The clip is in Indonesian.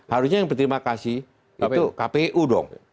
harusnya yang berterima kasih itu kpu dong